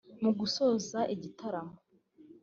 Mu gusoza igitaramo